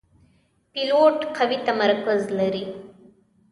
پیلوټ قوي تمرکز لري.